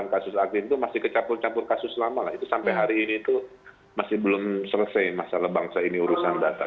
tapi kalau keterisian rumah sakit itu masih kecampur campur kasus lama lah itu sampai hari ini tuh masih belum selesai masalah bangsa ini urusan data